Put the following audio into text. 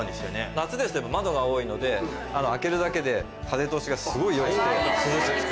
夏ですと窓が多いので開けるだけで風通しがすごい良くて涼しくて。